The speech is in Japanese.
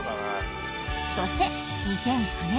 そして、２００９年。